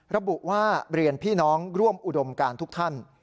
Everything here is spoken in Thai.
ระบุว่าเรียนพี่น้องร่วมอุดมการทุกท่าน